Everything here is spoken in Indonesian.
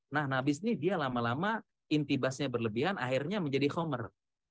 nah nabisni dia lama lama intibasnya berlebihan akhirnya menjadi homer